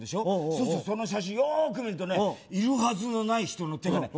そうするとその写真よーく見るとねいるはずのない人の手がね